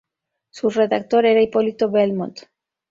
Su redactor era Hipólito Belmont.